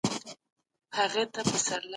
تاسو کله خپلي خاطرې لیکلې دي؟